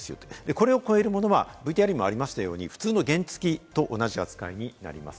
これを超えるものはＶＴＲにもあったように普通の原付と同じ扱いになります。